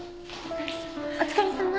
お疲れさま。